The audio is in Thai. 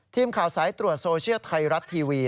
ทีมข่าวสายตรวจโซเชียลไทยรัฐทีวี